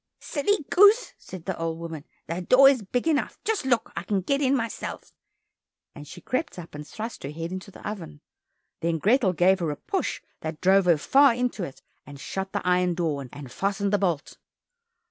"Silly goose," said the old woman, "The door is big enough; just look, I can get in myself!" and she crept up and thrust her head into the oven. Then Grethel gave her a push that drove her far into it, and shut the iron door, and fastened the bolt.